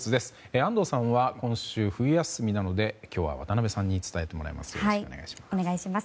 安藤さんは今週冬休みなので今日は渡辺さんに伝えてもらいます。